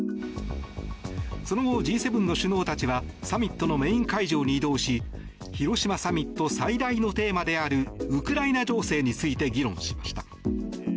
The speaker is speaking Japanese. その後Ｇ７の首脳たちはサミットのメイン会場に移動し広島サミット最大のテーマであるウクライナ情勢について議論しました。